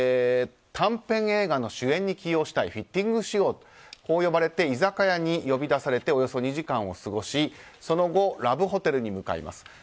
短編映画の主演に起用したいフィッティングしようこう呼ばれて居酒屋に呼び出されておよそ２時間を過ごしその後ラブホテルに向かいます。